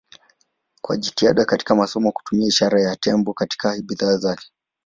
Kwa jitihada katika masoko hutumia ishara ya tembo katika bidhaa zake.